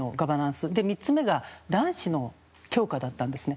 ３つ目が男子の強化だったんですね。